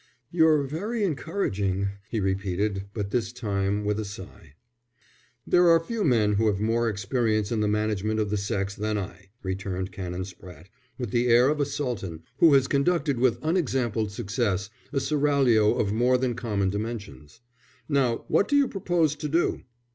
"You're very encouraging," he repeated, but this time with a sigh. "There are few men who have more experience in the management of the sex than I," returned Canon Spratte, with the air of a Sultan who has conducted with unexampled success a seraglio of more than common dimensions. "Now what do you propose to do?"